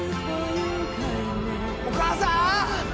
お母さん。